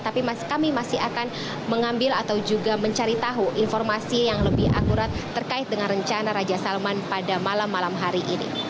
tapi kami masih akan mengambil atau juga mencari tahu informasi yang lebih akurat terkait dengan rencana raja salman pada malam malam hari ini